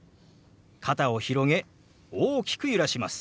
肩を広げ大きく揺らします。